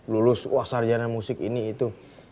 lulus wah sarjana musik ini itu